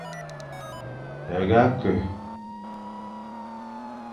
Herga ke,